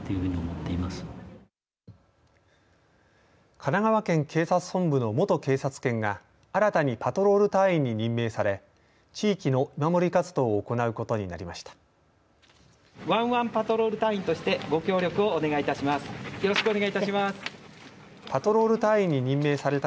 神奈川県警察本部の元警察犬が新たにパトロール隊員に任命され地域の見守り活動を行うことになりました。